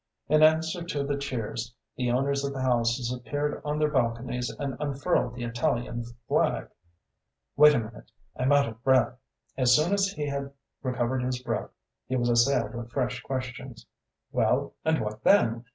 In answer to the cheers, the owners of the houses appeared on their balconies and unfurled the Italian flag. "Wait a minute, I'm out of breath"... As soon as he had recovered his breath he was assailed with fresh questions. "Well, and what then?